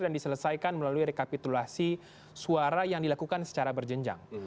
dan diselesaikan melalui rekapitulasi suara yang dilakukan secara berjenjang